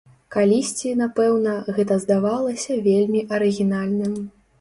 Калісьці, напэўна, гэта здавалася вельмі арыгінальным.